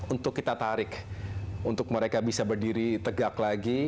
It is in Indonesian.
untuk kita tarik untuk mereka bisa berdiri tegak lagi